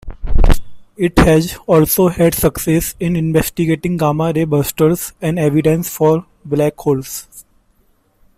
It has also had success in investigating gamma-ray bursters and evidence for black holes.